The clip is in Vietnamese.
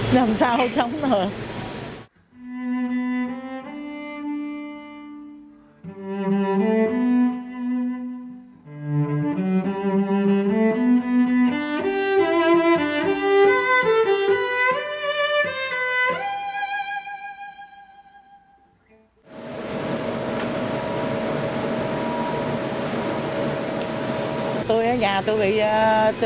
làm sao sống được